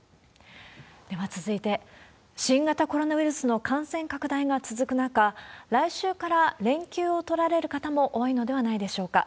では続いて、新型コロナウイルスの感染拡大が続く中、来週から連休を取られる方も多いのではないでしょうか。